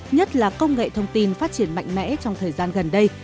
nhất là công nghệ thông tin phát triển mạnh mẽ trong thời gian gần đây